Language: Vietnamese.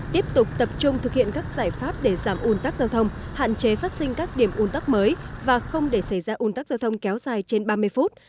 tiếp tục tập trung thực hiện các giải pháp để giảm un tắc giao thông hạn chế phát sinh các điểm un tắc mới và không để xảy ra un tắc giao thông kéo dài trên ba mươi phút